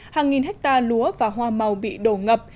hàng nghìn hectare lúa và hoa màu bị đổ ngập